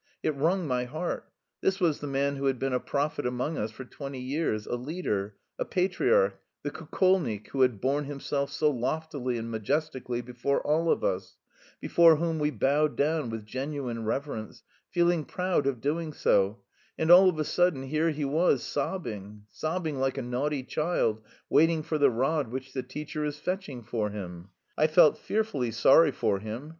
It wrung my heart. This was the man who had been a prophet among us for twenty years, a leader, a patriarch, the Kukolnik who had borne himself so loftily and majestically before all of us, before whom we bowed down with genuine reverence, feeling proud of doing so and all of a sudden here he was sobbing, sobbing like a naughty child waiting for the rod which the teacher is fetching for him. I felt fearfully sorry for him.